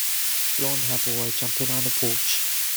Blondhair boy jumping on a porch.